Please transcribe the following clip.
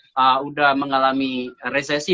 sudah mengalami resesi